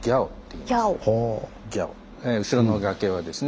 後ろの崖はですね